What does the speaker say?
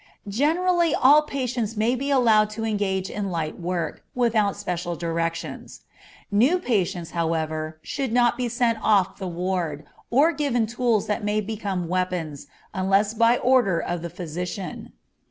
Generally all patients may be allowed to engage in light work, without special directions; new patients, however, should not be sent off the ward, or given tools that may become weapons, unless by order of a physician.